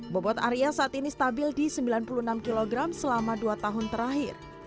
bobot arya saat ini stabil di sembilan puluh enam kg selama dua tahun terakhir